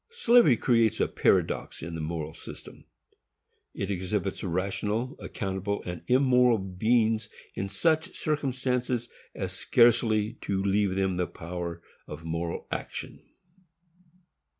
Slavery creates a paradox in the moral system—it exhibits rational, accountable, and immortal beings in such circumstances as scarcely to leave them the power of moral action.